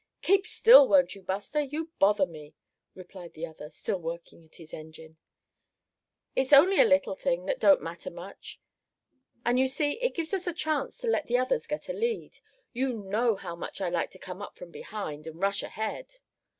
"Keep still, won't you, Buster; you bother me," replied the other, still working at his engine. "It's only a little thing, that don't matter much. And you see, it gives us a chance to let the others get a lead. You know how much I like to come up from behind, and rush ahead?